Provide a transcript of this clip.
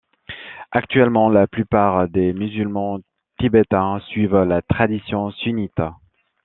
Actuellement, la plupart des musulmans tibétains suivent la tradition sunnite.